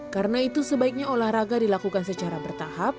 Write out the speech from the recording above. karena itu sebaiknya olahraga dilakukan secara bertahap